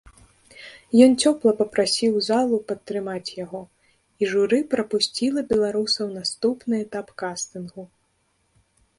Ён цёпла папрасіў залу падтрымаць яго, і журы прапусціла беларуса ў наступны этап кастынгу.